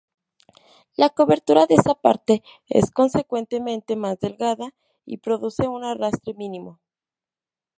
La cobertura de esta parte es consecuentemente más delgada y produce un arrastre mínimo.